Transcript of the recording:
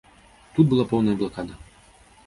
Тут была поўная блакада.